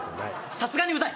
さすがにうざい！